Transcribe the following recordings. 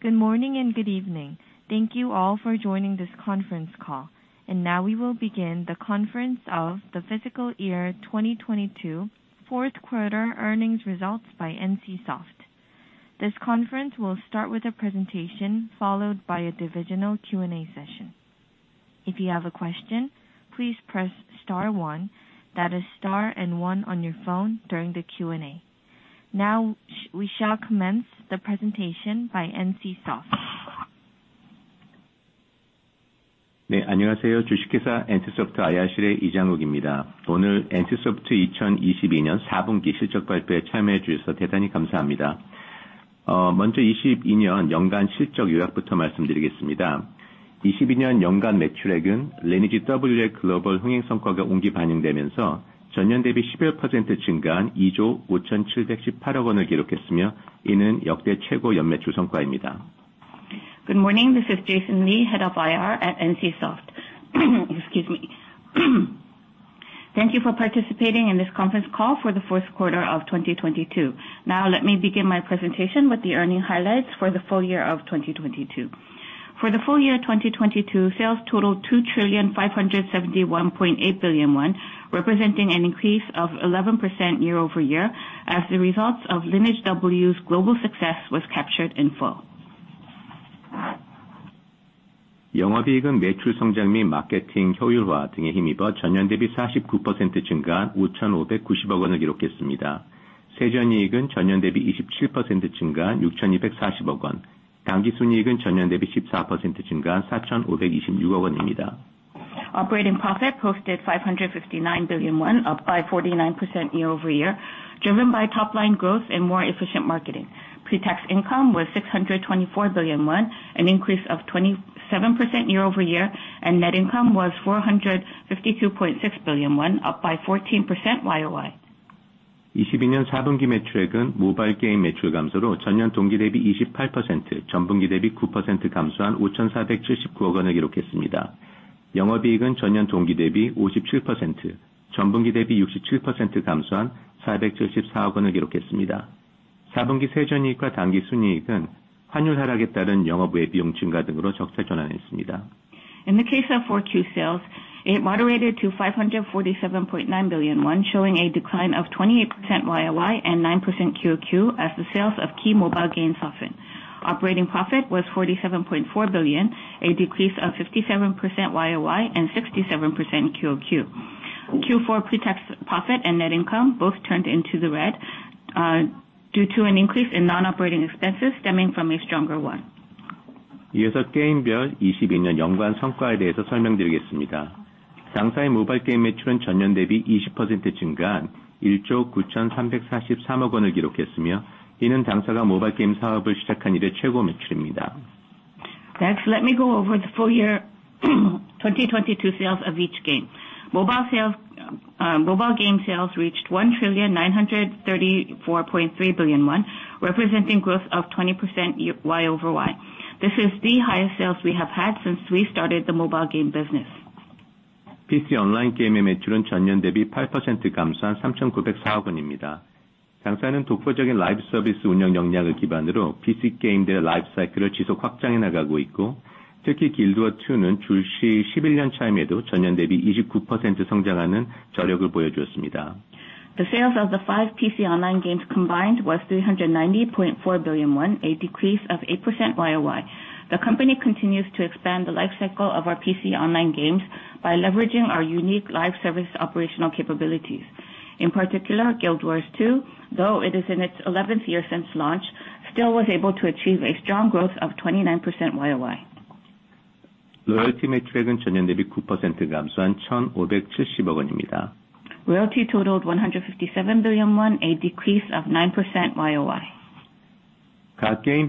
Good morning and good evening. Thank you all for joining this conference call. Now we will begin the conference of the fiscal year 2022 fourth quarter earnings results by NCSOFT. This conference will start with a presentation, followed by a divisional Q&A session. If you have a question, please press star one, that is star and one on your phone during the Q&A. Now we shall commence the presentation by NCSOFT. Good morning. This is Jason Lee, Head of IR at NCSOFT. Excuse me. Thank you for participating in this conference call for the fourth quarter of 2022. Let me begin my presentation with the earnings highlights for the full year of 2022. For the full year 2022, sales totaled 2,571.8 billion won, representing an increase of 11% year-over-year as the results of Lineage W's global success was captured in full. Operating profit posted 559 billion won, up by 49% year-over-year, driven by top line growth and more efficient marketing. Pre-tax income was 624 billion, an increase of 27% year-over-year. Net income was 452.6 billion, up by 14% YoY. In the case of Q4 sales, it moderated to KRW 547.9 billion, showing a decline of 28% YoY and 9% QoQ as the sales of key mobile games soften. Operating profit was KRW 47.4 billion, a decrease of 57% YoY and 67% QoQ. Q4 pre-tax profit and net income both turned into the red due to an increase in non-operating expenses stemming from a stronger won. Next, let me go over the full year 2022 sales of each game. Mobile sales, mobile game sales reached KRW 1,934.3 billion, representing growth of 20% year, Y- over-Y. This is the highest sales we have had since we started the mobile game business. The sales of the five PC online games combined was KRW 390.4 billion, a decrease of 8% YoY. The company continues to expand the life cycle of our PC online games by leveraging our unique live service operational capabilities. In particular, Guild Wars 2, though it is in its 11th year since launch, still was able to achieve a strong growth of 29% YoY. Royalty totaled 157 billion won, a decrease of 9% YoY.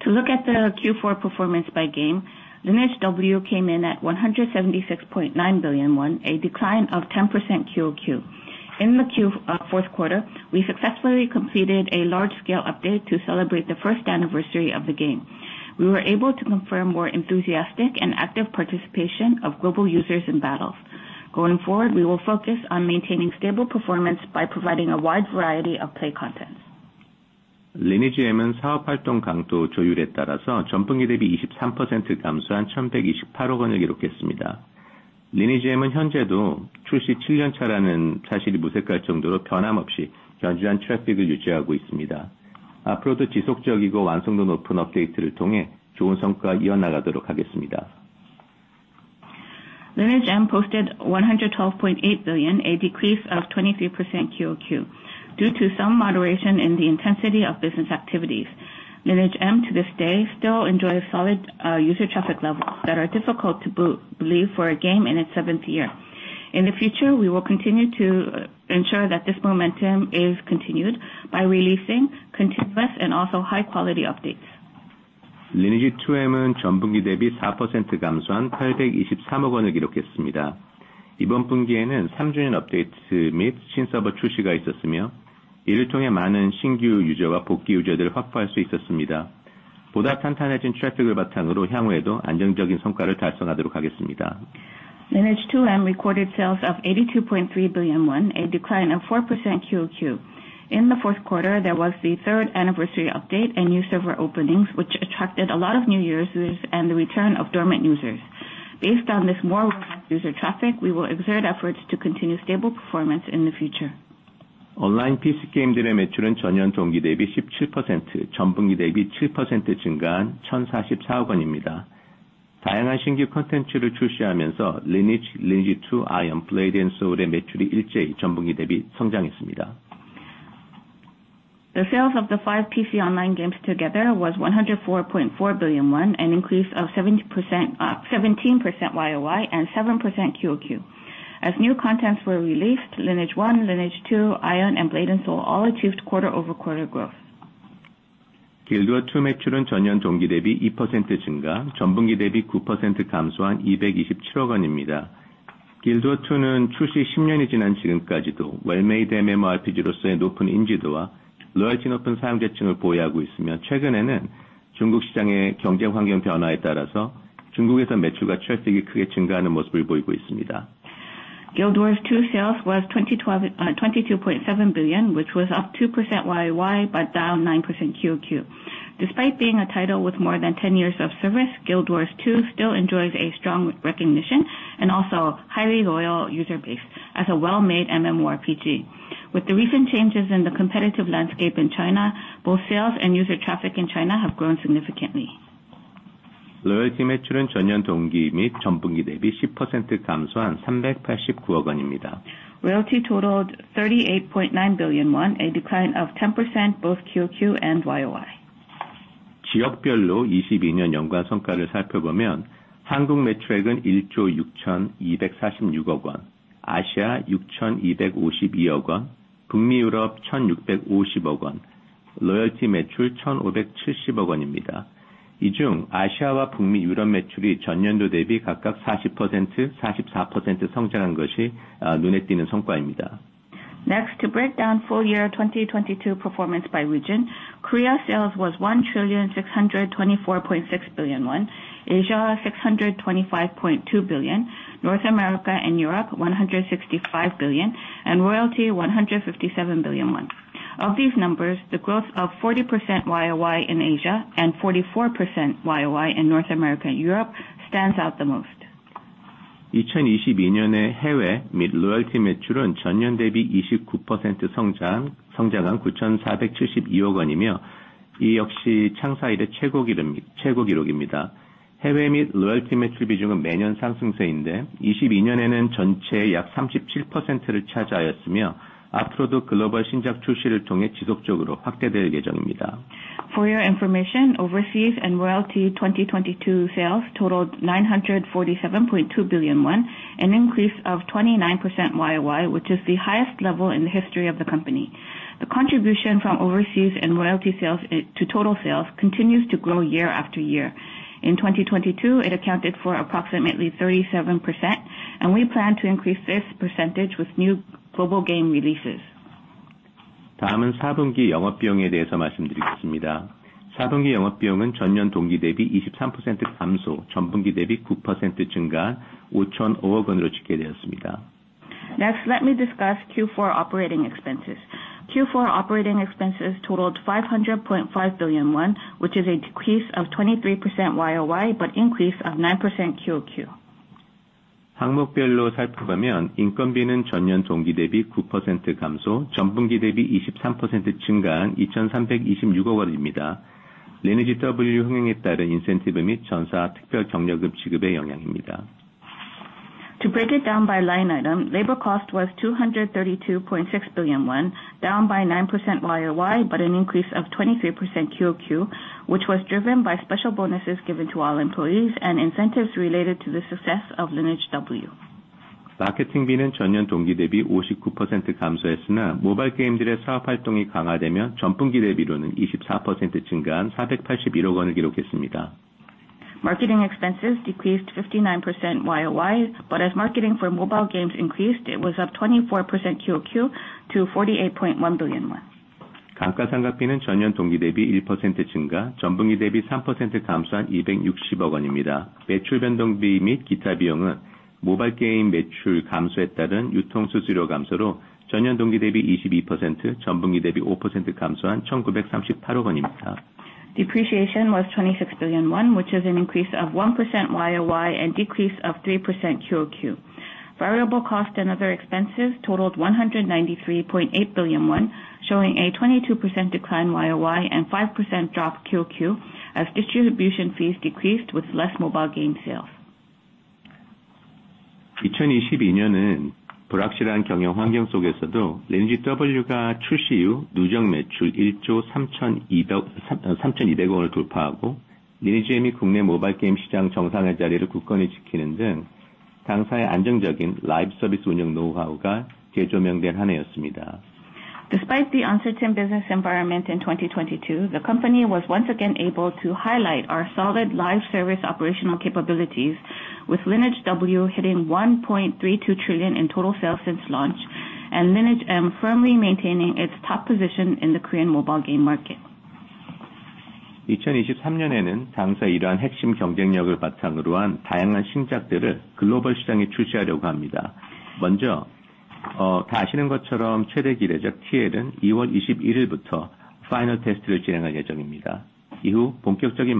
To look at the Q4 performance by game, Lineage W came in at 176.9 billion won, a decline of 10% QoQ. In the fourth quarter, we successfully completed a large scale update to celebrate the first anniversary of the game. We were able to confirm more enthusiastic and active participation of global users in battles. Going forward, we will focus on maintaining stable performance by providing a wide variety of play contents. Lineage M posted KRW 112.8 billion, a decrease of 23% QoQ due to some moderation in the intensity of business activities. Lineage M to this day still enjoys solid user traffic levels that are difficult to believe for a game in its seventh year. In the future, we will continue to ensure that this momentum is continued by releasing continuous and also high quality updates. Lineage 2M은 전 분기 대비 사 퍼센트 감소한 팔백이십삼억 원을 기록했습니다. 이번 분기에는 삼주년 업데이트 및 신서버 출시가 있었으며, 이를 통해 많은 신규 유저와 복귀 유저들을 확보할 수 있었습니다. 보다 탄탄해진 트래픽을 바탕으로 향후에도 안정적인 성과를 달성하도록 하겠습니다. Lineage 2M recorded sales of 82.3 billion won, a decline of 4% QoQ. In the fourth quarter, there was the third anniversary update and new server openings, which attracted a lot of new users and the return of dormant users. Based on this more user traffic, we will exert efforts to continue stable performance in the future. 온라인 PC 게임 매출은 전년 동기 대비 17%, 전분기 대비 7% 증가한 1,044억 원을 기록했습니다. 리니지 II, 아이온, 블레이드 앤 소울은 다양한 신규 콘텐츠 출시와 함께 전분기 대비 매출이 동시에 성장했습니다. The sales of the five PC online games together was 104.4 billion won, an increase of 17% YoY, and 7% QoQ. As new contents were released, Lineage 1, Lineage II, Aion, and Blade & Soul all achieved quarter-over-quarter growth. 길드워2 매출은 전년 동기 대비 이 퍼센트 증가, 전분기 대비 구 퍼센트 감소한 이백이십칠억 원입니다. 길드워2는 출시 십년이 지난 지금까지도 웰메이드 MMORPG로서의 높은 인지도와 로열티 높은 사용자층을 보유하고 있으며, 최근에는 중국 시장의 경제 환경 변화에 따라서 중국에서 매출과 트래픽이 크게 증가하는 모습을 보이고 있습니다. Guild Wars 2 sales was 2012, 22.7 billion KRW, which was up 2% YoY but down 9% QoQ. Despite being a title with more than 10 years of service, Guild Wars 2 still enjoys a strong recognition and also highly loyal user base as a well-made MMORPG. With the recent changes in the competitive landscape in China, both sales and user traffic in China have grown significantly. 로열티 매출은 전년 동기 및 전분기 대비 10% 감소한 38.9 billion입니다. Royalty totaled 38.9 billion won, a decline of 10% both QoQ and YoY. 지역별로 2022년 연간 성과를 살펴보면 한국 매출액은 1,624.6 billion, 아시아 625.2 billion, 북미 유럽 165 billion, 로열티 매출 157 billion입니다. 이중 아시아와 북미 유럽 매출이 YoY 각각 40%, 44% 성장한 것이 눈에 띄는 성과입니다. To break down full year 2022 performance by region, Korea sales was 1,624.6 billion won, Asia 625.2 billion, North America and Europe 165 billion, and royalty 157 billion won. Of these numbers, the growth of 40% YoY in Asia and 44% YoY in North America and Europe stands out the most. 2022년에 해외 및 로열티 매출은 전년 대비 29% 성장한 947.2 billion이며, 이 역시 창사 이래 최고 기록입니다. 해외 및 로열티 매출 비중은 매년 상승세인데, 2022년에는 전체의 약 37%를 차지하였으며, 앞으로도 글로벌 신작 출시를 통해 지속적으로 확대될 예정입니다. For your information, overseas and royalty 2022 sales totaled 947.2 billion won, an increase of 29% YoY, which is the highest level in the history of the company. The contribution from overseas and royalty sales to total sales continues to grow year after year. In 2022, it accounted for approximately 37%, and we plan to increase this percentage with new global game releases. 다음은 사분기 영업 비용에 대해서 말씀드리겠습니다. 사분기 영업 비용은 전년 동기 대비 23% 감소, 전분기 대비 9% 증가한 50.5 billion으로 집계되었습니다. Next, let me discuss Q4 operating expenses. Q4 operating expenses totaled 500.5 billion won, which is a decrease of 23% YoY, but increase of 9% QoQ. 항목별로 살펴보면 인건비는 전년 동기 대비 9% 감소, 전분기 대비 23% 증가한 232.6 billion입니다. Lineage W 흥행에 따른 인센티브 및 전사 특별 격려금 지급의 영향입니다. To break it down by line item, labor cost was 232.6 billion won, down by 9% YoY, but an increase of 23% QoQ, which was driven by special bonuses given to all employees and incentives related to the success of Lineage W. 마케팅비는 전년 동기 대비 59% 감소했으나 모바일 게임들의 사업 활동이 강화되며 전분기 대비로는 24% 증가한 48.1 billion을 기록했습니다. Marketing expenses decreased 59% YoY, as marketing for mobile games increased, it was up 24% QoQ to 48.1 billion won. 감가상각비는 YoY 1% 증가, QOQ 3% 감소한 26 billion입니다. 매출 변동비 및 기타 비용은 모바일 게임 매출 감소에 따른 유통 수수료 감소로 YoY 22%, QoQ 5% 감소한 193.8 billion입니다. Depreciation was 26 billion won, which is an increase of 1% YoY and decrease of 3% QoQ. Variable cost and other expenses totaled 193.8 billion won, showing a 22% decline YoY and 5% drop QoQ as distribution fees decreased with less mobile game sales. 이천이십이년은 불확실한 경영 환경 속에서도 Lineage W가 출시 후 누적 매출 일조 삼천이백, 삼천이백억 원을 돌파하고 Lineage M이 국내 모바일 게임 시장 정상의 자리를 굳건히 지키는 등 당사의 안정적인 라이브 서비스 운영 노하우가 재조명된 한 해였습니다. Despite the uncertain business environment in 2022, the company was once again able to highlight our solid live service operational capabilities with Lineage W hitting 1.32 trillion in total sales since launch and Lineage M firmly maintaining its top position in the Korean mobile game market. In 2023,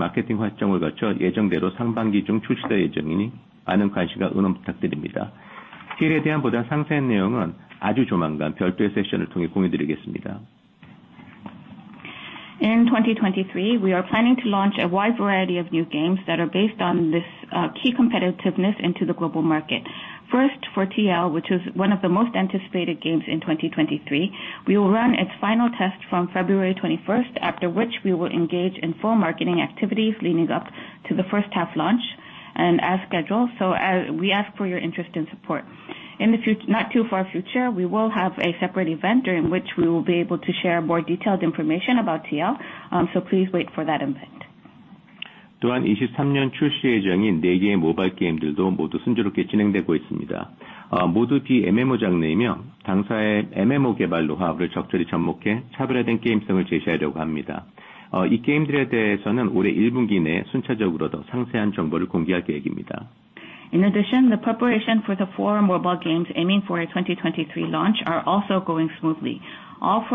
we are planning to launch a wide variety of new games that are based on this key competitiveness into the global market. First, for TL, which is one of the most anticipated games in 2023, we will run its final test from February 21st, after which we will engage in full marketing activities leading up to the first half launch and as scheduled. We ask for your interest and support. Not too far future, we will have a separate event during which we will be able to share more detailed information about TL, so please wait for that event. In addition, the preparation for the four mobile games aiming for a 2023 launch are also going smoothly. All four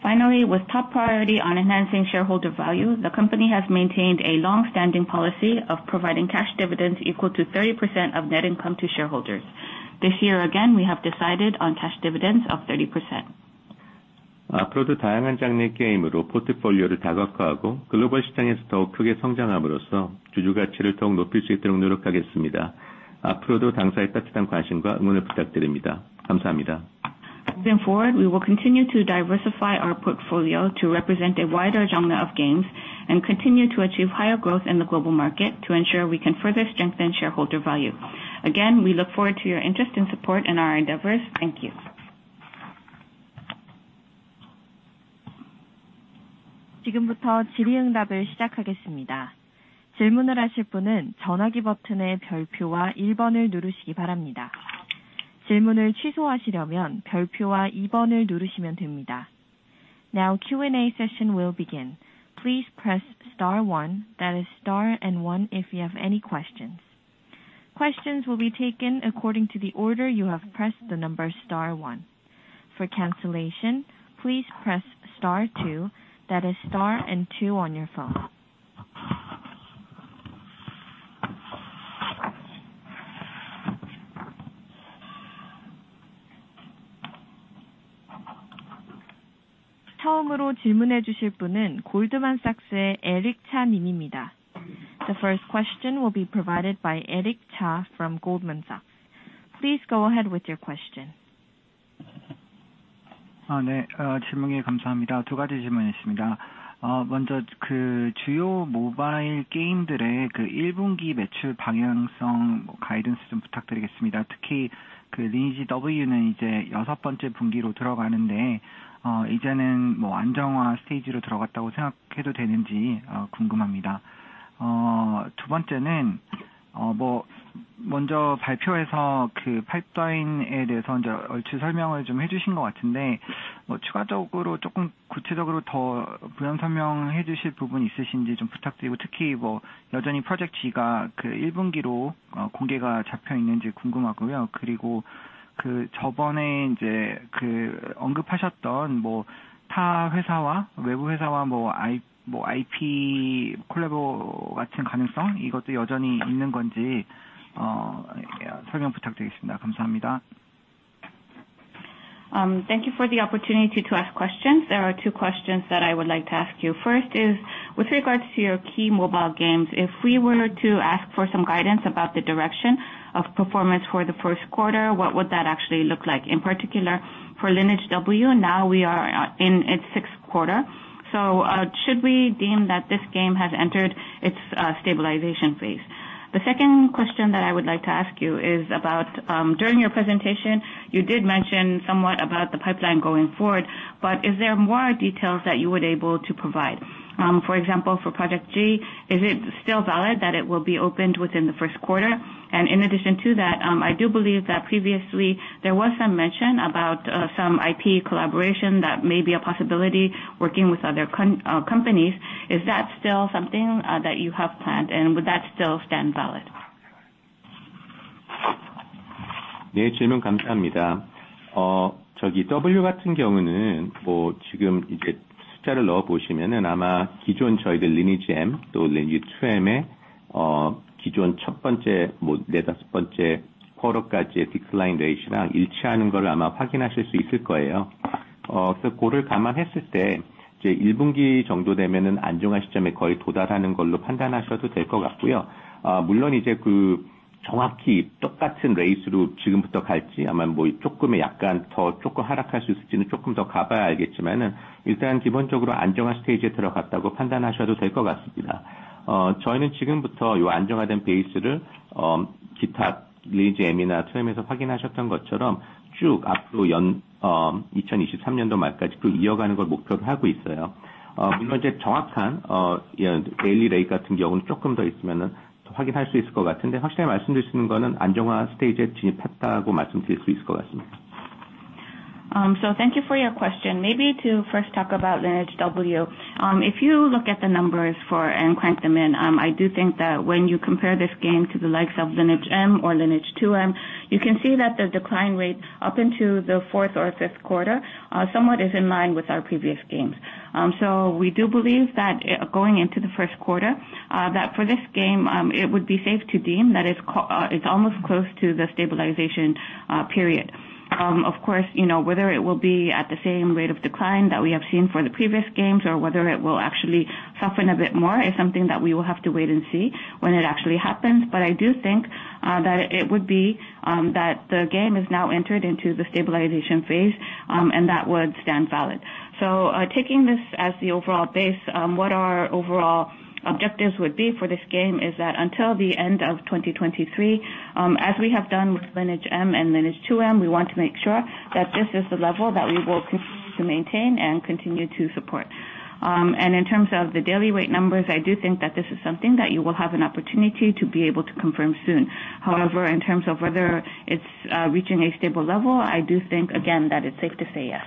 games are The first question will be provided by Eric Cha from Goldman Sachs. Please go ahead with your question. Thank you for the opportunity to ask questions. There are two questions that I would like to ask you. First is with regards to your key mobile games, if we were to ask for some guidance about the direction of performance for the first quarter, what would that actually look like? In particular, for Lineage W, now we are in its sixth quarter, should we deem that this game has entered its stabilization phase? The second question that I would like to ask you is about during your presentation, you did mention somewhat about the pipeline going forward, is there more details that you were able to provide? For example, for Project G, is it still valid that it will be opened within the first quarter? In addition to that, I do believe that previously there was some mention about some IP collaboration that may be a possibility working with other companies. Is that still something that you have planned and would that still stand valid? Thank you for your question. Maybe to first talk about Lineage W. If you look at the numbers for and crank them in, I do think that when you compare this game to the likes of Lineage M or Lineage 2M, you can see that the decline rate up into the fourth or fifth quarter, somewhat is in line with our previous games. We do believe that going into the first quarter, that for this game, it would be safe to deem that it's almost close to the stabilization period. Of course, you know, whether it will be at the same rate of decline that we have seen for the previous games or whether it will actually soften a bit more is something that we will have to wait and see when it actually happens. I do think that it would be that the game is now entered into the stabilization phase, and that would stand valid. Taking this as the overall base, what our overall objectives would be for this game is that until the end of 2023, as we have done with Lineage M and Lineage 2M, we want to make sure that this is the level that we will continue to maintain and continue to support. In terms of the daily rate numbers, I do think that this is something that you will have an opportunity to be able to confirm soon. However, in terms of whether it's reaching a stable level, I do think, again, that it's safe to say yes.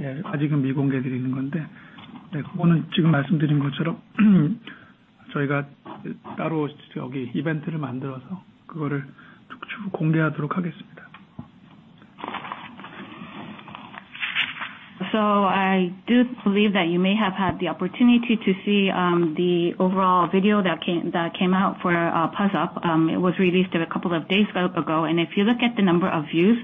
I do believe that you may have had the opportunity to see the overall video that came out for PUZZUP. It was released a couple of days ago, and if you look at the number of views,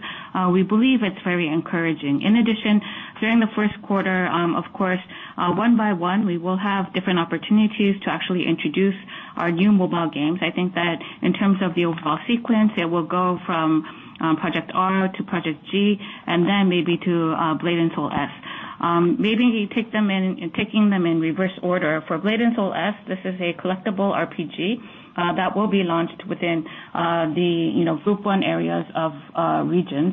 we believe it's very encouraging. In addition, during the first quarter, of course, one by one, we will have different opportunities to actually introduce our new mobile games. I think that in terms of the overall sequence, it will go from Project R to Project G and then maybe to Blade & Soul S. Maybe taking them in reverse order. For Blade & Soul S, this is a collectible RPG that will be launched within the, you know, group 1 areas of regions.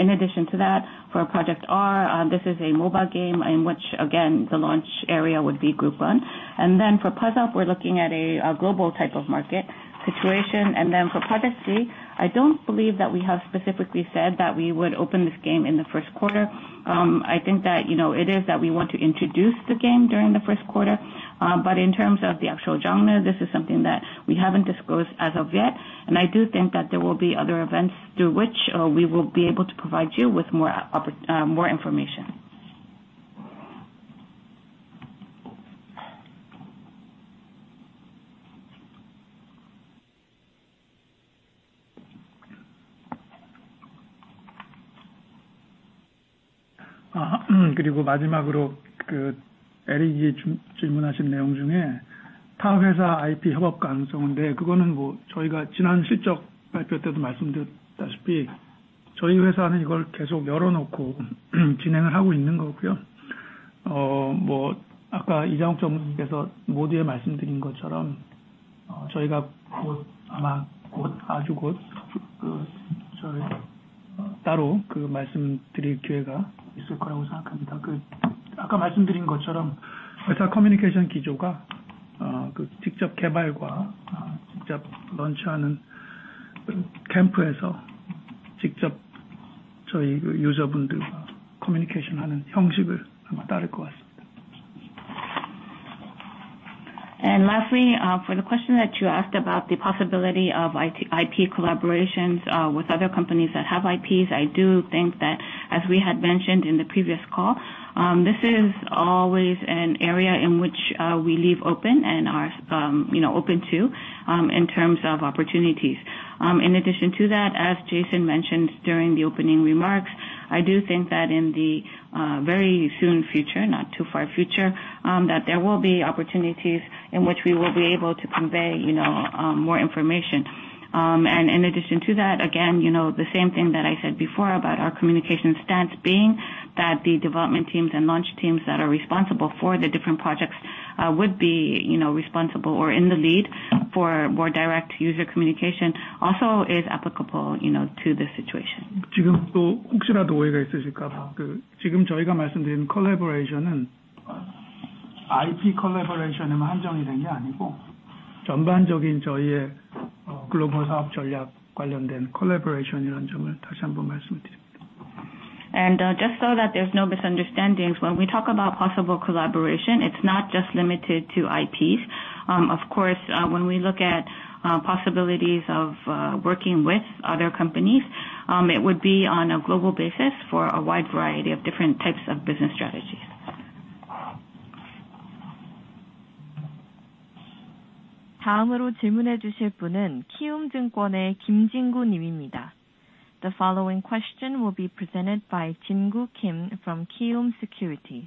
In addition to that, for Project R, this is a mobile game in which, again, the launch area would be Tier 1. For PUZZUP, we're looking at a global type of market situation. For Project C, I don't believe that we have specifically said that we would open this game in the first quarter. I think that, you know, it is that we want to introduce the game during the first quarter. But in terms of the actual genre, this is something that we haven't disclosed as of yet, and I do think that there will be other events through which we will be able to provide you with more information. 질문하신 내용 중에 타 회사 IP 협업 가능성인데 그거는 뭐 저희가 지난 실적 발표 때도 말씀드렸다시피 저희 회사는 이걸 계속 열어 놓고 진행을 하고 있는 거고요. 뭐 아까 이장욱 전문의께서 모두의 말씀드린 것처럼 저희가 아마 곧 아주 곧 저희 따로 그 말씀 드릴 기회가 있을 거라고 생각합니다. 아까 말씀드린 것처럼 메탈 커뮤니케이션 기조가 직접 개발과 런치하는 캠프에서 직접 저희 유저분들과 커뮤니케이션하는 형식을 따를 것 같습니다. Lastly, for the question that you asked about the possibility of IP collaborations, with other companies that have IPs, I do think that as we had mentioned in the previous call, this is always an area in which we leave open and are, you know, open to, in terms of opportunities. In addition to that, as Jason mentioned during the opening remarks, I do think that in the very soon future, not too far future, that there will be opportunities in which we will be able to convey, you know, more information. In addition to that, again, you know, the same thing that I said before about our communication stance being that the development teams and launch teams that are responsible for the different projects would be, you know, responsible or in the lead for more direct user communication also is applicable, you know, to this situation. 지금도 혹시라도 오해가 있으실까 봐 지금 저희가 말씀드린 콜라보레이션은 IP 콜라보레이션에만 한정이 된게 아니고 전반적인 저희의 글로벌 사업 전략 관련된 콜라보레이션이라는 점을 다시 한번 말씀드립니다. Just so that there's no misunderstandings, when we talk about possible collaboration, it's not just limited to IPs. Of course, when we look at possibilities of working with other companies, it would be on a global basis for a wide variety of different types of business strategies. The following question will be presented by Jingu Kim from Kiwoom Securities.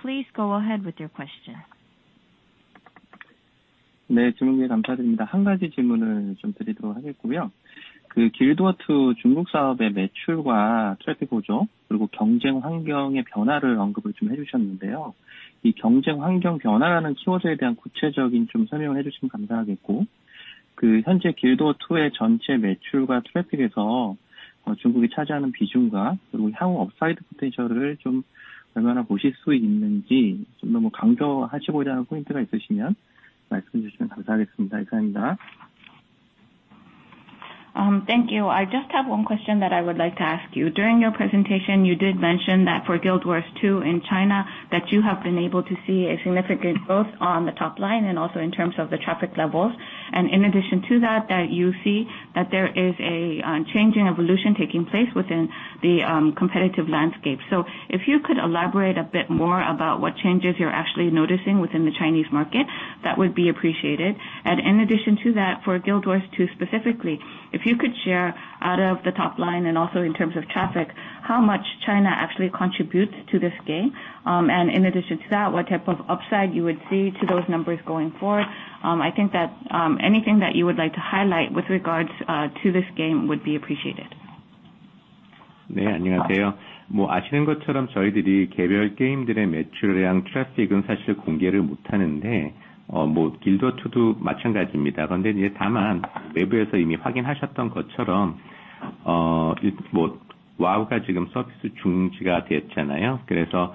Please go ahead with your question. 질문 감사합니다. 한 가지 질문을 드리도록 하겠고요. 길드워트 중국 사업의 매출과 트래픽 보조, 그리고 경쟁 환경의 변화를 언급을 해주셨는데요. 이 경쟁 환경 변화라는 키워드에 대한 구체적인 설명을 해주시면 감사하겠고, 현재 길도어2의 전체 매출과 트래픽에서 중국이 차지하는 비중과 향후 업사이드 포텐셜을 얼마나 보실 수 있는지 너무 강조하시고자 하는 포인트가 있으시면 말씀해 주시면 감사하겠습니다. Thank you. I just have one question that I would like to ask you. During your presentation, you did mention that for Guild Wars 2 in China, that you have been able to see a significant growth on the top line and also in terms of the traffic levels. In addition to that you see that there is a change in evolution taking place within the competitive landscape. If you could elaborate a bit more about what changes you're actually noticing within the Chinese market, that would be appreciated. In addition to that, for Guild Wars 2 specifically, if you could share out of the top line and also in terms of traffic, how much China actually contributes to this game. In addition to that, what type of upside you would see to those numbers going forward. I think that, anything that you would like to highlight with regards, to this game would be appreciated. 개별 게임들의 매출이랑 트래픽은 사실 공개를 못하는데, 뭐 길드워트도 마찬가지입니다. 그런데 이제 다만 외부에서 이미 확인하셨던 것처럼 와우가 지금 서비스 중지가 됐잖아요. 그래서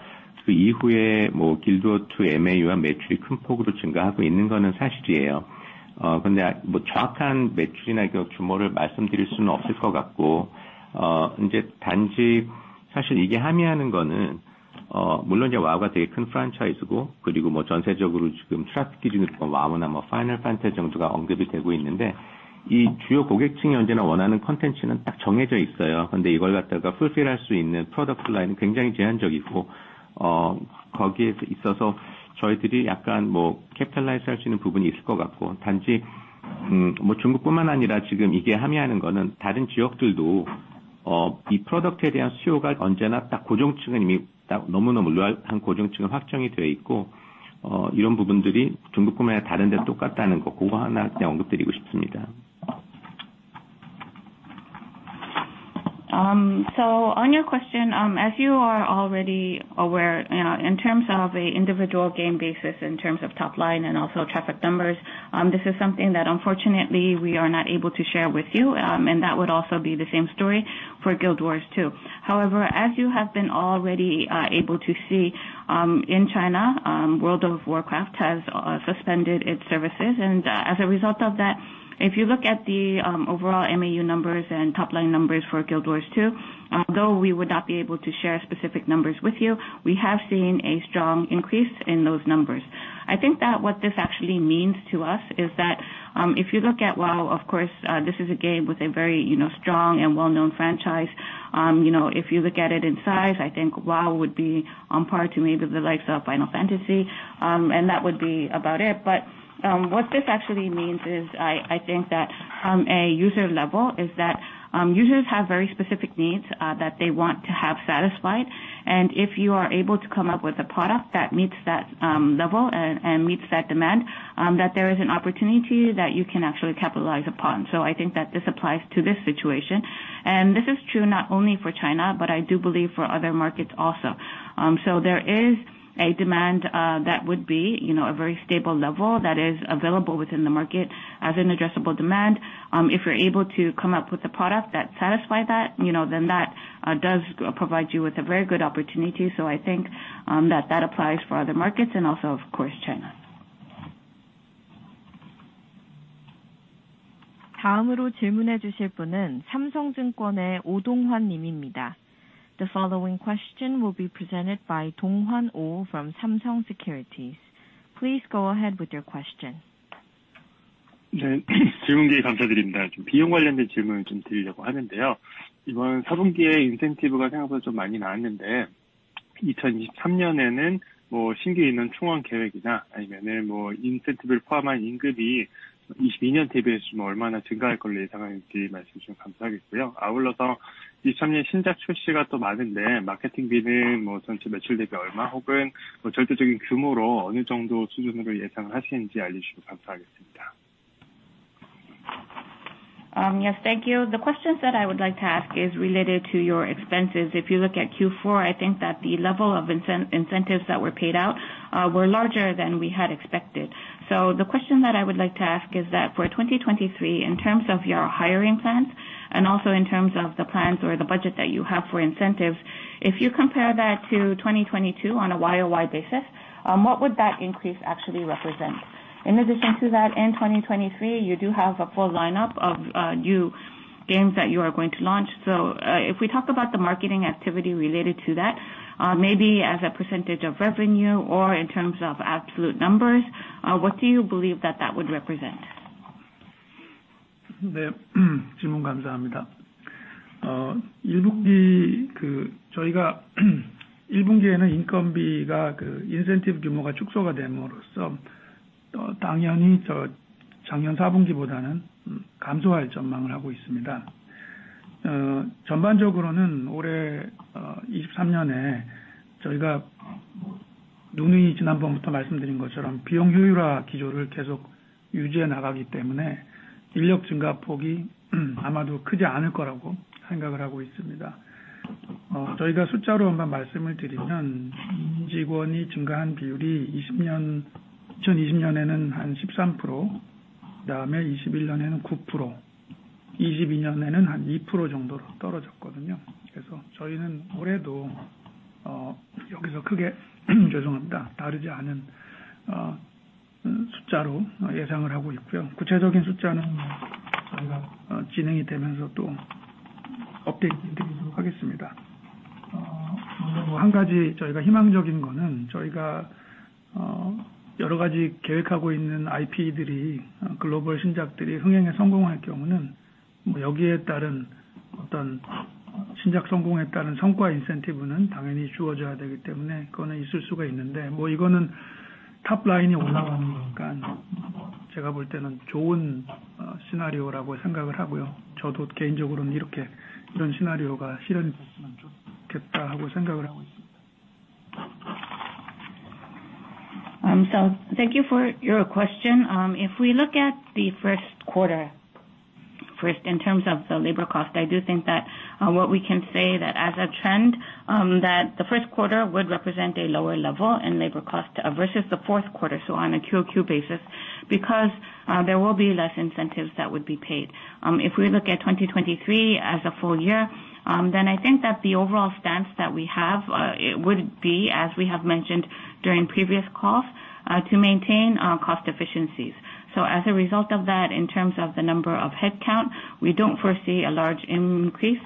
이후에 길드워트 MA와 매출이 큰 폭으로 증가하고 있는 것은 사실이에요. 그런데 정확한 매출이나 규모를 말씀드릴 수는 없을 것 같고, 단지 사실 이게 함유하는 것은 물론 와우가 되게 큰 프랜차이즈고 그리고 전세적으로 트랙디즈니스, 와우나, 파이널판테 정도가 언급이 되고 있는데 이 주요 고객층이 언제나 원하는 콘텐츠는 딱 정해져 있어요. 그런데 이걸 풀필할 수 있는 프로덕트 라인은 굉장히 제한적이고 거기에 있어서 저희들이 약간 캡틀라이즈 할수 있는 부분이 있을 것 같고 단지 사실 중국뿐만 아니라 지금 이게 함유하는 것은 다른 지역들도 이 프로덕트에 대한 수요가 언제나 딱 고정층은 이미 너무너무 고정층은 확정이 되어 있고 이런 부분들이 중국뿐만 아니라 다른 데 똑같다는 것, 그거 하나 언급드리고 싶습니다. On your question, as you are already aware, in terms of an individual game basis, in terms of top line and also traffic numbers, this is something that unfortunately we are not able to share with you. And that would also be the same story for Guild Wars 2. However, as you have been already able to see, in China, World of Warcraft has suspended its services. As a result of that, if you look at the overall MAU numbers and top line numbers for Guild Wars 2, although we would not be able to share specific numbers with you, we have seen a strong increase in those numbers. I think that what this actually means to us is that, if you look at, well, of course, this is a game with a very, you know, strong and well-known franchise. You know, if you look at it in size, I think WoW would be on par to maybe the likes of Final Fantasy. That would be about it. What this actually means is, I think that from a user level is that, users have very specific needs, that they want to have satisfied. If you are able to come up with a product that meets that, level and meets that demand, that there is an opportunity that you can actually capitalize upon. I think that this applies to this situation, and this is true not only for China, but I do believe for other markets also. There is a demand that would be, you know, a very stable level that is available within the market as an addressable demand. If you're able to come up with a product that satisfy that, you know, then that does provide you with a very good opportunity. I think that that applies for other markets and also of course China. The following question will be presented by Donghwan Oh from Samsung Securities. Please go ahead with your question. Yes, thank you. The questions that I would like to ask is related to your expenses. If you look at Q4, I think that the level of incentives that were paid out were larger than we had expected. The question that I would like to ask is that for 2023, in terms of your hiring plans and also in terms of the plans or the budget that you have for incentives, if you compare that to 2022 on a YoY basis, what would that increase actually represent? In addition to that, in 2023, you do have a full lineup of new games that you are going to launch. If we talk about the marketing activity related to that, maybe as a percentage of revenue or in terms of absolute numbers, what do you believe that that would represent? Thank you for your question. If we look at the first quarter, first in terms of the labor cost, I do think that what we can say that as a trend, that the first quarter would represent a lower level in labor cost versus the fourth quarter. On a QoQ basis, because there will be less incentives that would be paid. If we look at 2023 as a full year, I think that the overall stance that we have, it would be, as we have mentioned during previous calls, to maintain cost efficiencies. As a result of that, in terms of the number of headcount, we don't foresee a large increase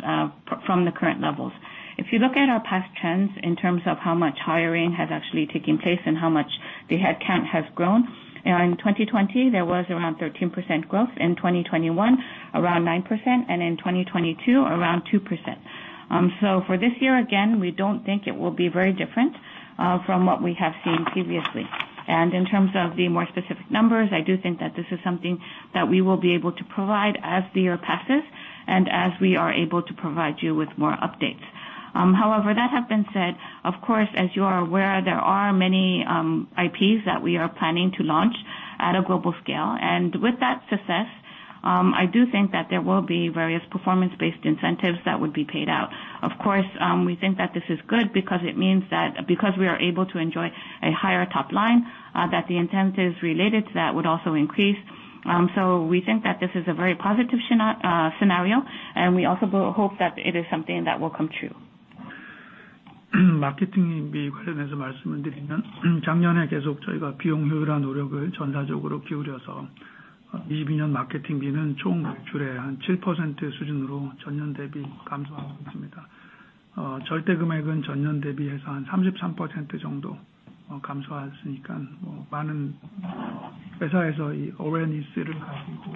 from the current levels. If you look at our past trends in terms of how much hiring has actually taken place and how much the headcount has grown, in 2020 there was around 13% growth, in 2021 around 9%, and in 2022 around 2%. For this year again, we don't think it will be very different from what we have seen previously. In terms of the more specific numbers, I do think that this is something that we will be able to provide as the year passes and as we are able to provide you with more updates. However, that have been said, of course, as you are aware, there are many IPs that we are planning to launch at a global scale. With that success, I do think that there will be various performance-based incentives that would be paid out. Of course, we think that this is good because it means that because we are able to enjoy a higher top line, that the incentives related to that would also increase. We think that this is a very positive scenario, and we also hope that it is something that will come true. 마케팅비 관련해서 말씀드리면 작년에 계속 저희가 비용 효율화 노력을 전사적으로 기울여서 22년 마케팅비는 총 줄에 7% 수준으로 전년 대비 감소하고 있습니다 절대 금액은 전년 대비해서 33% 정도 감소했으니까 많은 회사에서 ONEC를 가지고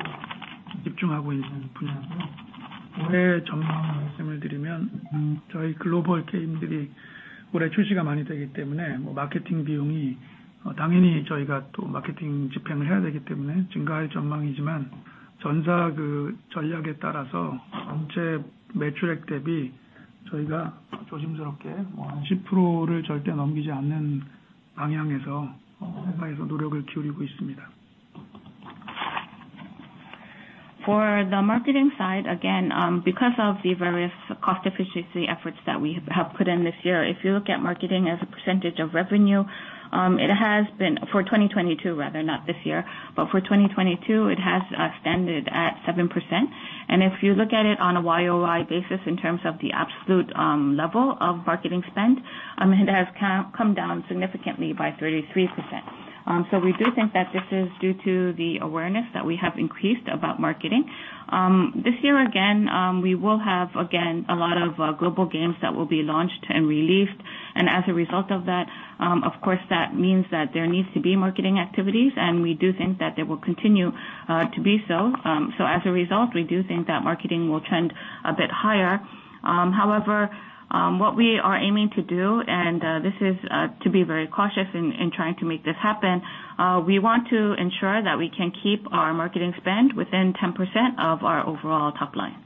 집중하고 있는 분야는 우회전 말씀을 드리면 저희 글로벌 케임들이 올해 출시가 많이 되기 때문에 마케팅 비용이 당연히 저희가 또 마케팅 집행을 해야 되기 때문에 증가할 전망이지만 전사 전략에 따라서 전체 매출액 대비 저희가 조심스럽게 10%를 절대 넘기지 않는 방향에서 회사에서 노력을 기울이고 있습니다. For the marketing side, again, because of the various cost efficiency efforts that we have put in this year. If you look at marketing as a percentage of revenue, it has been. For 2022 rather not this year, but for 2022 it has standard at 7%. If you look at it on a YoY basis in terms of the absolute level of marketing spend, it has come down significantly by 33%. We do think that this is due to the awareness that we have increased about marketing. This year again, we will have again a lot of global games that will be launched and released. As a result of that, of course, that means that there needs to be marketing activities, and we do think that there will continue to be so. As a result, we do think that marketing will trend a bit higher. What we are aiming to do, and this is to be very cautious in trying to make this happen. We want to ensure that we can keep our marketing spend within 10% of our overall top line.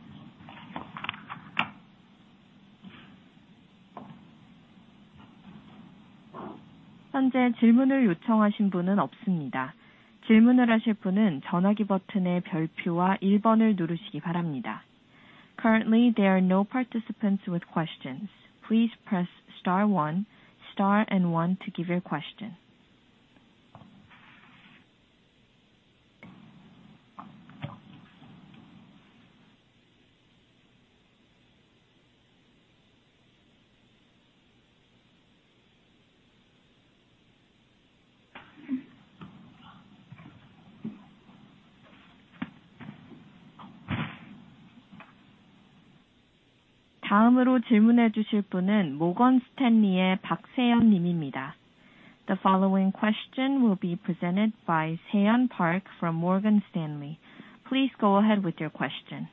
Currently there are no participants with questions. Please press star one, star and one to give your question. The following question will be presented by Seyon Park from Morgan Stanley. Please go ahead with your question.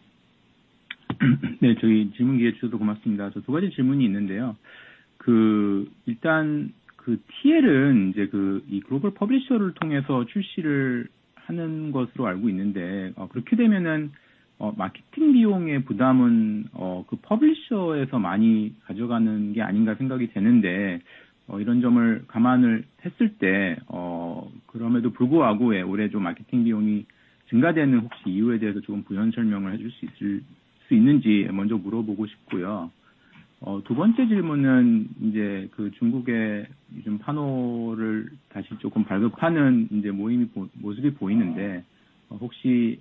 Thank you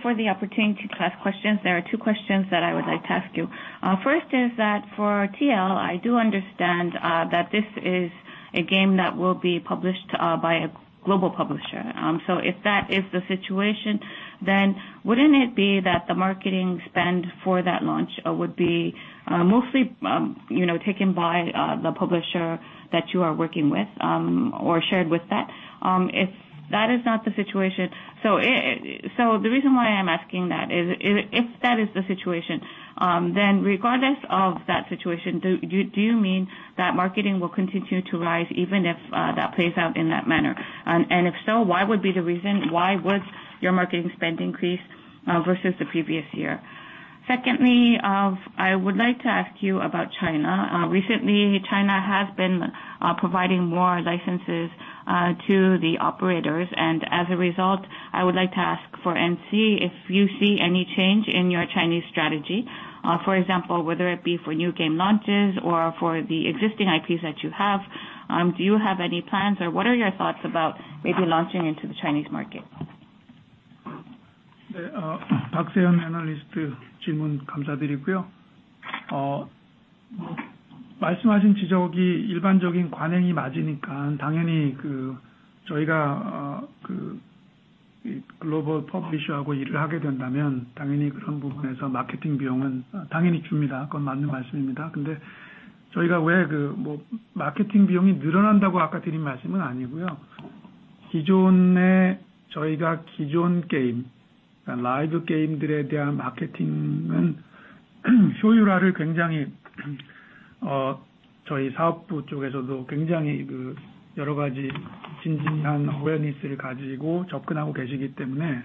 for the opportunity to ask questions. There are two questions that I would like to ask you. First is that for TL, I do understand that this is a game that will be published by a global publisher. If that is the situation, then wouldn't it be that the marketing spend for that launch would be mostly, you know, taken by the publisher that you are working with, or shared with that? If that is not the situation... The reason why I'm asking that is if that is the situation, then regardless of that situation, do you mean that marketing will continue to rise even if that plays out in that manner? If so, why would be the reason, why would your marketing spend increase versus the previous year? Secondly, I would like to ask you about China. Recently China has been providing more licenses to the operators, and as a result, I would like to ask for NC if you see any change in your Chinese strategy. For example, whether it be for new game launches or for the existing IPs that you have, do you have any plans, or what are your thoughts about maybe launching into the Chinese market? Seyon Park, Analyst, 질문 감사드리고요. 말씀하신 지적이 일반적인 관행이 맞으니까 당연히 저희가 글로벌 퍼블리셔하고 일을 하게 된다면 당연히 그런 부분에서 마케팅 비용은 당연히 줍니다. 그건 맞는 말씀입니다. 저희가 왜 마케팅 비용이 늘어난다고 아까 드린 말씀은 아니고요. 기존의 저희가 기존 게임, 그니까 라이브 게임들에 대한 마케팅은 효율화를 굉장히 저희 사업부 쪽에서도 굉장히 여러 가지 진지한 awareness를 가지고 접근하고 계시기 때문에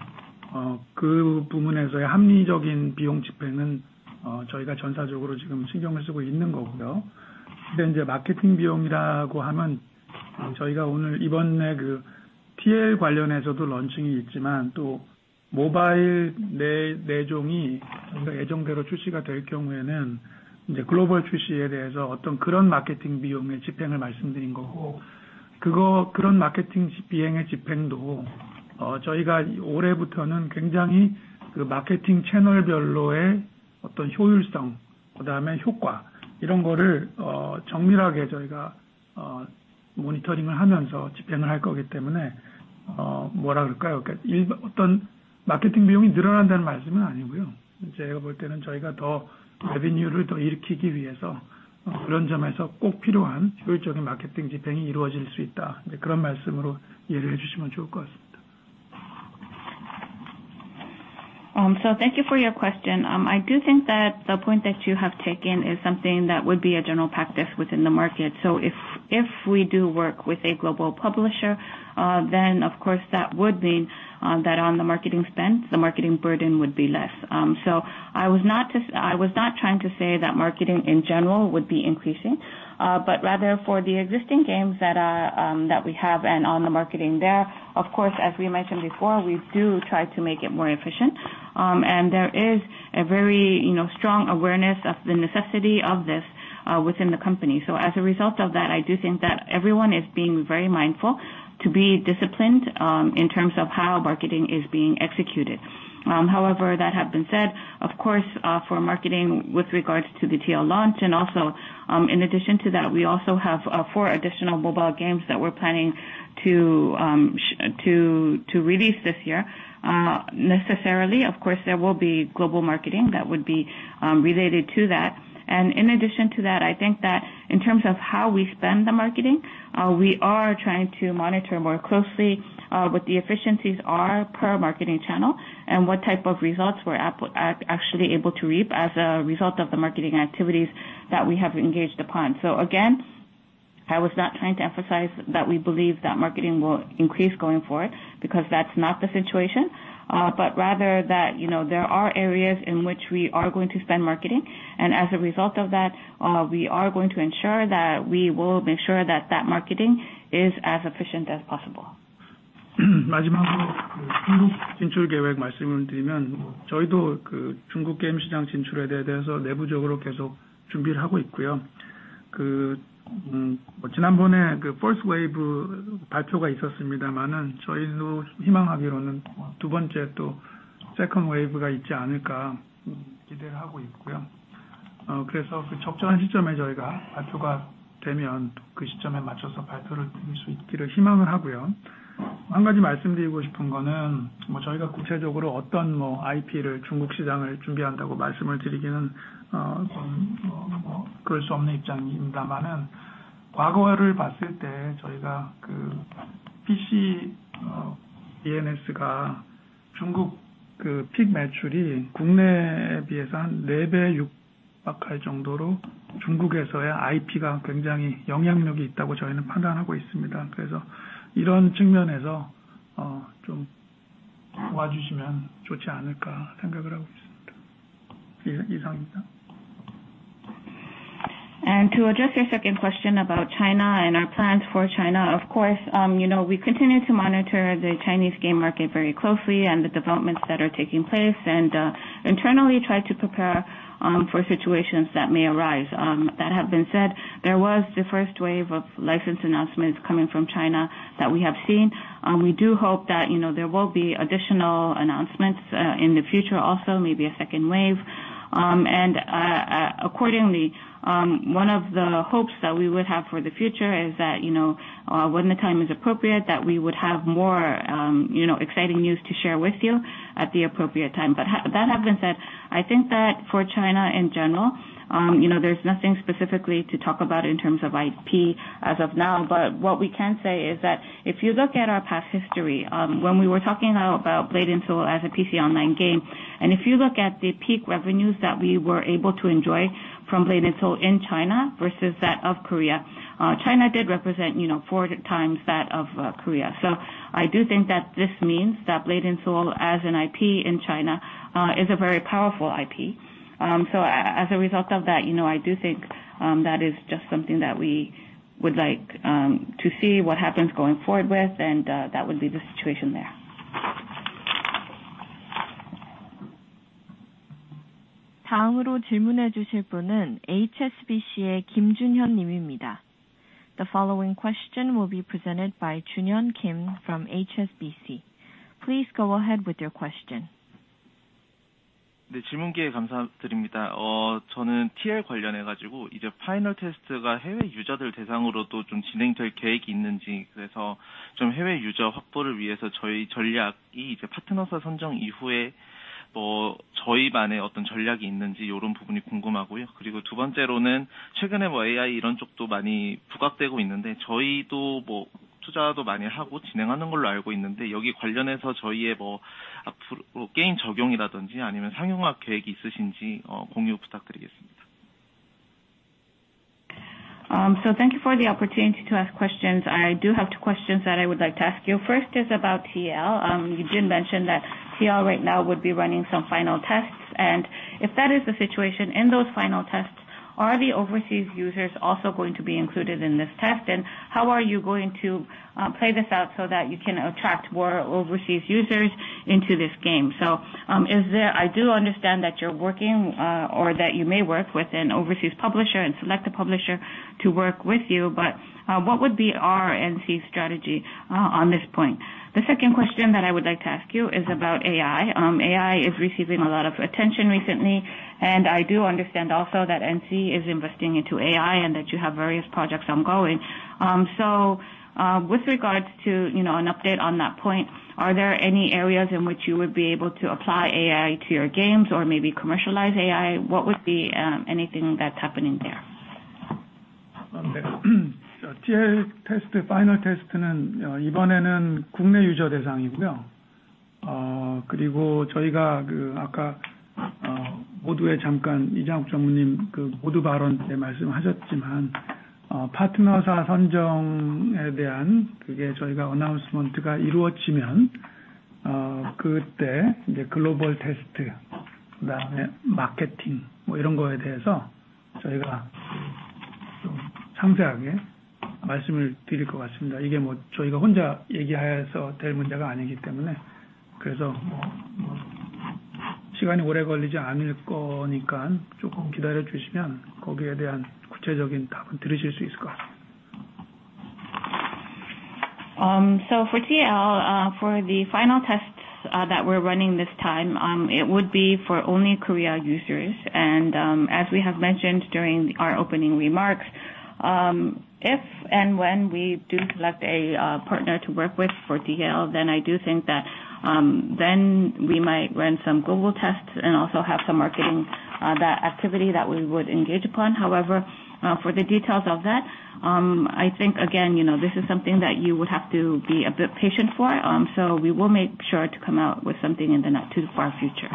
그 부분에서의 합리적인 비용 집행은 저희가 전사적으로 지금 신경을 쓰고 있는 거고요. 이제 마케팅 비용이라고 하면 저희가 오늘 이번에 TL 관련해서도 런칭이 있지만 또 모바일 4종이 뭔가 예정대로 출시가 될 경우에는 이제 글로벌 출시에 대해서 어떤 그런 마케팅 비용의 집행을 말씀드린 거고, 그거 그런 마케팅 집행의 집행도 저희가 올해부터는 굉장히 마케팅 채널별로의 어떤 효율성, 그다음에 효과, 이런 거를 정밀하게 저희가 모니터링을 하면서 집행을 할 거기 때문에 뭐라 그럴까요? 그니까 어떤 마케팅 비용이 늘어난다는 말씀은 아니고요. 이제 제가 볼 때는 저희가 더 revenue를 더 일으키기 위해서 그런 점에서 꼭 필요한 효율적인 마케팅 집행이 이루어질 수 있다, 이제 그런 말씀으로 이해를 해주시면 좋을 것 같습니다. Thank you for your question. I do think that the point that you have taken is something that would be a general practice within the market. If we do work with a global publisher, then of course that would mean that on the marketing spend, the marketing burden would be less. I was not trying to say that marketing in general would be increasing, but rather for the existing games that we have and on the marketing there, of course, as we mentioned before, we do try to make it more efficient. There is a very, you know, strong awareness of the necessity of this within the company. As a result of that, I do think that everyone is being very mindful to be disciplined, in terms of how marketing is being executed. However, that have been said, of course, for marketing with regards to the TL launch and also, in addition to that, we also have four additional mobile games that we're planning to release this year. Necessarily, of course, there will be global marketing that would be related to that. In addition to that, I think that in terms of how we spend the marketing, we are trying to monitor more closely, what the efficiencies are per marketing channel and what type of results we're actually able to reap as a result of the marketing activities that we have engaged upon. Again, I was not trying to emphasize that we believe that marketing will increase going forward because that's not the situation. Rather that, you know, there are areas in which we are going to spend marketing. As a result of that, we are going to ensure that we will make sure that that marketing is as efficient as possible. 마지막으로 그, 중국 진출 계획 말씀을 드리면 저희도 그, 중국 게임 시장 진출에 대해서 내부적으로 계속 준비를 하고 있고요. 그, 음, 지난번에 그, first wave 발표가 있었습니다마는 저희도 희망하기로는 두 번째 또 second wave가 있지 않을까 기대를 하고 있고요. 어, 그래서 그, 적절한 시점에 저희가 발표가 되면 그 시점에 맞춰서 발표를 드릴 수 있기를 희망을 하고요. 한 가지 말씀드리고 싶은 거는 뭐, 저희가 구체적으로 어떤 뭐, IP를 중국 시장을 준비한다고 말씀을 드리기는 어, 좀 어, 뭐, 그럴 수 없는 입장입니다마는 과거를 봤을 때 저희가 그, PC, 어, ENS가 중국 그, 픽 매출이 국내에 비해서 한네배 육박할 정도로 중국에서의 IP가 굉장히 영향력이 있다고 저희는 판단하고 있습니다. 그래서 이런 측면에서 어, 좀 봐주시면 좋지 않을까 생각을 하고 있습니다. 이-이상입니다. To address your second question about China and our plans for China, of course, you know, we continue to monitor the Chinese game market very closely and the developments that are taking place. Internally try to prepare for situations that may arise. That have been said, there was the first wave of license announcements coming from China that we have seen. We do hope that, you know, there will be additional announcements in the future also, maybe a second wave. Accordingly, one of the hopes that we would have for the future is that, you know, when the time is appropriate, that we would have more, you know, exciting news to share with you at the appropriate time. That having been said, I think that for China in general, you know, there's nothing specifically to talk about in terms of IP as of now. What we can say is that if you look at our past history, when we were talking about Blade & Soul as a PC online game, and if you look at the peak revenues that we were able to enjoy from Blade & Soul in China versus that of Korea, China did represent, you know, four times that of Korea. I do think that this means that Blade & Soul as an IP in China, is a very powerful IP. As a result of that, you know, I do think, that is just something that we would like, to see what happens going forward with, and, that would be the situation there. The following question will be presented by Junhyun Kim from HSBC. Please go ahead with your question. 저는 TL 관련해서 파이널 테스트가 해외 유저들 대상으로도 진행될 계획이 있는지 해외 유저 확보를 위해서 저희 전략이 파트너서 선정 이후에 저희만의 어떤 전략이 있는지 이런 부분이 궁금하고요. 그리고 두 번째로는 최근에 AI 이런 쪽 많이 부각되고 있는데 저희도 투자도 많이 하고 진행하는 걸로 알고 있는데 여기 관련해서 저희의 게임 적용이라든지 아니면 상용화 계획이 있으신지 공유 부탁드리겠습니다. Thank you for the opportunity to ask questions. I do have two questions that I would like to ask you. First is about TL. You did mention that TL right now would be running some final tests, if that is the situation in those final tests, are the overseas users also going to be included in this test? How are you going to play this out so that you can attract more overseas users into this game? I do understand that you're working or that you may work with an overseas publisher and select a publisher to work with you, what would be our NC strategy on this point? The second question that I would like to ask you is about AI. AI is receiving a lot of attention recently, and I do understand also that NC is investing into AI and that you have various projects ongoing. With regards to, you know, an update on that point, are there any areas in which you would be able to apply AI to your games or maybe commercialize AI? What would be anything that's happening there? For TL, for the final tests, that we're running this time, it would be for only Korea users. As we have mentioned during our opening remarks, if and when we do select a partner to work with for TL, then I do think that then we might run some global tests and also have some marketing, that activity that we would engage upon. For the details of that, I think again, you know, this is something that you would have to be a bit patient for. We will make sure to come out with something in the not too far future.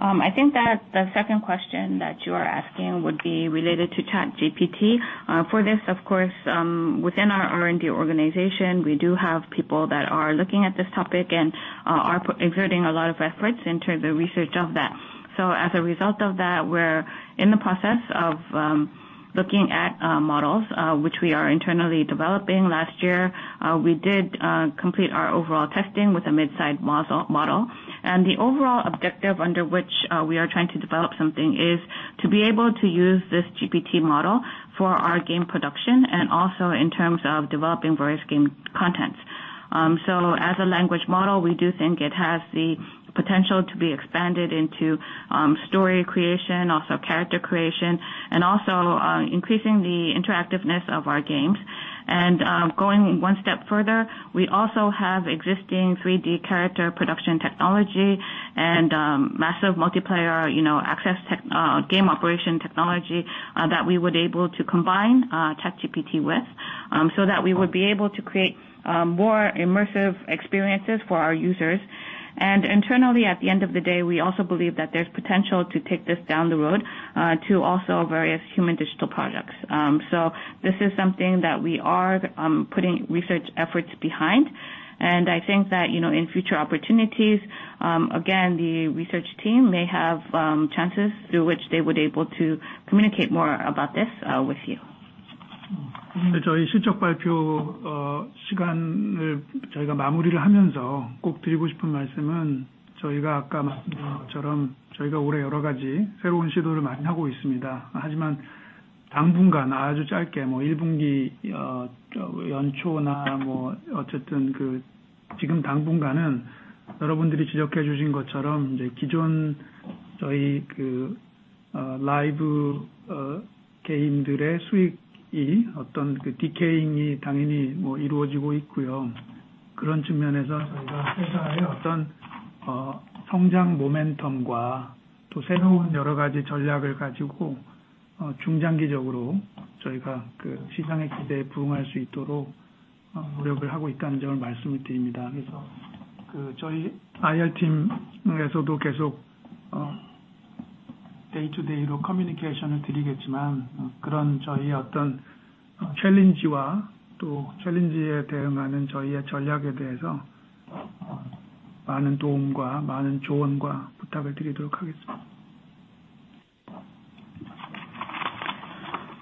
I think that the second question that you are asking would be related to ChatGPT. For this, of course, within our R&D organization, we do have people that are looking at this topic and are inserting a lot of efforts into the research of that. As a result of that, we're in the process of looking at models which we are internally developing. Last year, we did complete our overall testing with a mid-size model. The overall objective under which we are trying to develop something is to be able to use this GPT model for our game production and also in terms of developing various game contents. As a language model, we do think it has the potential to be expanded into story creation, also character creation, and also increasing the interactiveness of our games. Going one step further, we also have existing three-D character production technology and massive multiplayer, you know, access tech, game operation technology that we would able to combine ChatGPT with so that we would be able to create more immersive experiences for our users. Internally, at the end of the day, we also believe that there's potential to take this down the road to also various human digital products. This is something that we are putting research efforts behind. I think that, you know, in future opportunities, again, the research team may have chances through which they would able to communicate more about this with you.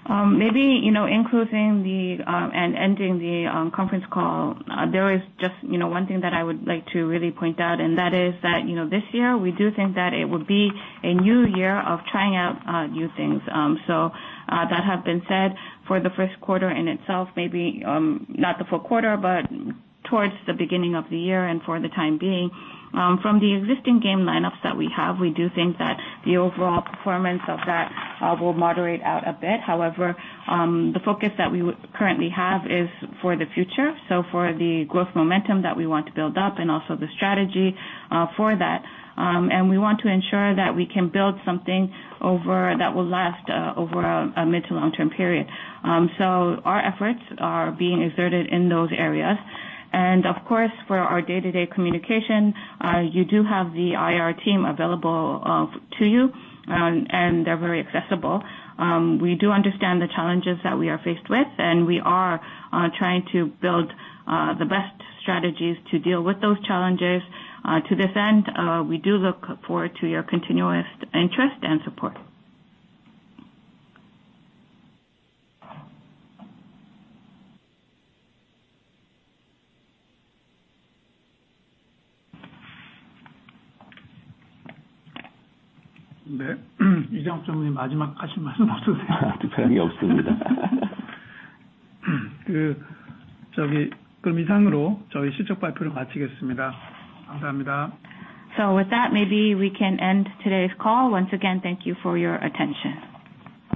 Maybe, you know, in closing the and ending the conference call, there is just, you know, one thing that I would like to really point out, and that is that, you know, this year we do think that it would be a new year of trying out new things. That have been said for the first quarter in itself, maybe not the full quarter, but towards the beginning of the year and for the time being. From the existing game lineups that we have, we do think that the overall performance of that will moderate out a bit. However, the focus that we currently have is for the future, so for the growth momentum that we want to build up and also the strategy for that. We want to ensure that we can build something over, that will last over a mid to long term period. Our efforts are being exerted in those areas. Of course, for our day-to-day communication, you do have the IR team available to you, and they're very accessible. We do understand the challenges that we are faced with, and we are trying to build the best strategies to deal with those challenges. To this end, we do look forward to your continuous interest and support. With that, maybe we can end today's call. Once again, thank you for your attention.